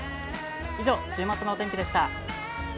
以上、週末のお天気でした。